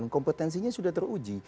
kompetensinya sudah teruji